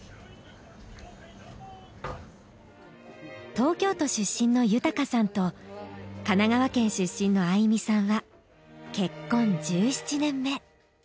東京都出身の豊さんと神奈川県出身の愛美さんは結婚１７年目。